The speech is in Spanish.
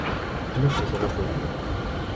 Una persona fue herida.